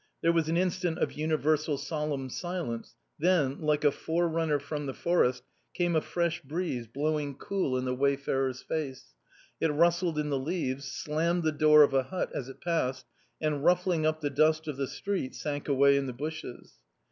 There was an instant of universal solemn silence. Then, like a forerunner from the forest, came a fresh breeze blowing cool in the wayfarer's face ; it rustled in the leaves, slammed the door of a hut as it passed, and ruffling up the dust of the street sank away in the bushes.